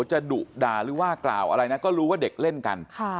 ดุด่าหรือว่ากล่าวอะไรนะก็รู้ว่าเด็กเล่นกัน